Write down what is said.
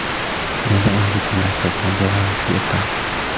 انا جائع جدا لا استطيع انتظار وقت الافطار